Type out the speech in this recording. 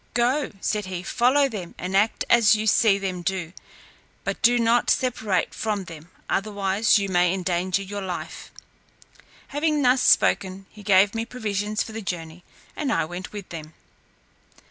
"Go," said he, "follow them, and act as you see them do, but do not separate from them, otherwise you may endanger your life." Having thus spoken, he gave me provisions for the journey, and I went with them.